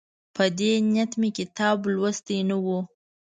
په دې نیت مې کتاب لوستی نه وو.